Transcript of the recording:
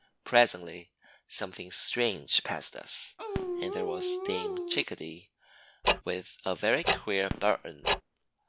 Presently something strange passed us and there was Dame Chickadee with a very queer burden.